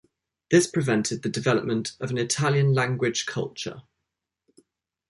This prevented the development of an Italian-language culture.